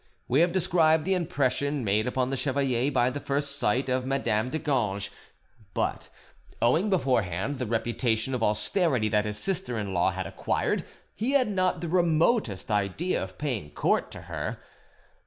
We have described the impression made upon the chevalier by the first sight of Madame de Ganges; but, owing beforehand the reputation of austerity that his sister in law had acquired, he had not the remotest idea of paying court to her.